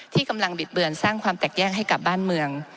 ที่กำลังบิดเบือนสร้างความแตกแยกให้กับบ้านเมือง